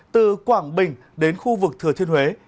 từ quảng bình đến khu vực thừa thiên huế